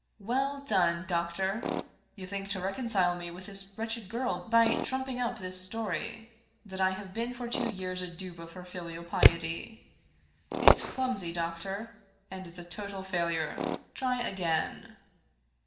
Well done, doctor 1 You think to reconcile me with this wretched girl by trumping up this story that I have been for two years a dupe of her filial piety. It's clumsy, doctor, and is a total failure. Try again."